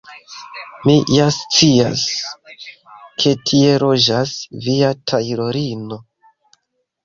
Mi ja scias, ke tie loĝas via tajlorino.